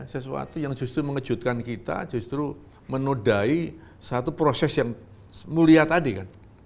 sesuatu yang justru mengejutkan kita justru menodai satu proses yang mulia tadi kan